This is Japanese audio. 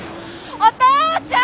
お父ちゃん！